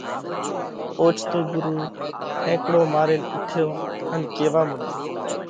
اوچتو ڳرُو ٺينڪڙو مارينَ اُوٺيو ان ڪيوا مڏيو: